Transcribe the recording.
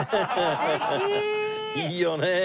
いいよね。